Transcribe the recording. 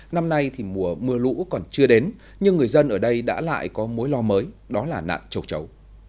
năm nay thì mùa lũ còn chưa đến nhưng người dân ở đây đã lại có mối lo mới đó là nạn trâu trấu